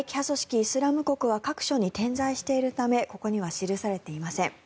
イスラム国は各所に点在しているためここには記されていません。